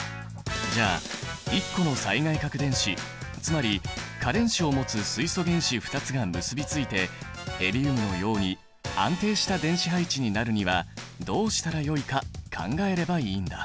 じゃあ１個の最外殻電子つまり価電子を持つ水素原子２つが結びついてヘリウムのように安定した電子配置になるにはどうしたらよいか考えればいいんだ。